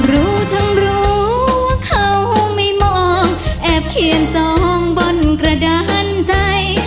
รู้ทั้งรู้ว่าเขาไม่มองแอบเขียนจองบนกระดานใจ